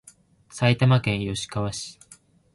埼玉県吉川市